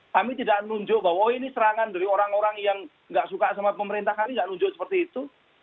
kami tidak nunjuk bahwa ini serangan dari orang orang yang nggak suka sama pemerintah kami nggak nunjuk seperti itu